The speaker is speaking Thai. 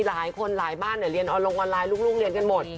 หลายคนหลายบ้านเรียนลงออนไลน์ลูกเรียนกันหมด